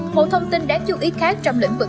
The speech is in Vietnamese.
một thông tin đáng chú ý khác trong lĩnh vực